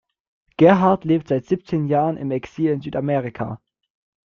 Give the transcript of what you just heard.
Gerhard lebt seit siebzehn Jahren im Exil in Südamerika.